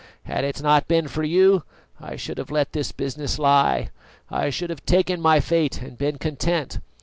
Had it not been for you, I should have let this business lie; I should have taken my fate and been content.